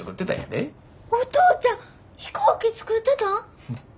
お父ちゃん飛行機作ってたん！？